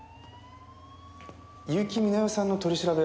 結城美奈世さんの取り調べ